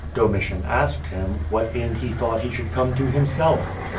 Domitian asked him, what end he thought he should come to himself?